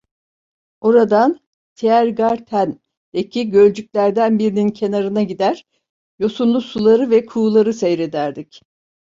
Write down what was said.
Oradan Tiergarten'deki gölcüklerden birinin kenarına gider, yosunlu suları ve kuğuları seyrederdik.